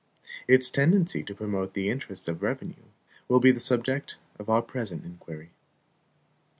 Its tendency to promote the interests of revenue will be the subject of our present inquiry.